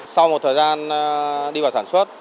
sau một thời gian đi vào sản xuất